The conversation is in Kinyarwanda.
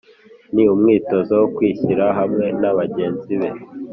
Ni umwitozo wo kwishyira hamwe na bagenzi be